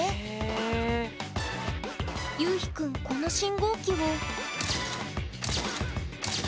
ゆうひくんこの信号機を。